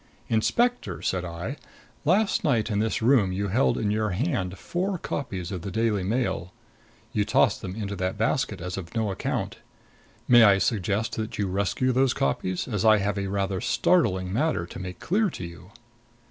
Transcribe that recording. "Inspector," said I, "last night in this room you held in your hand four copies of the Daily Mail. You tossed them into that basket as of no account. May I suggest that you rescue those copies, as I have a rather startling matter to make clear to you?"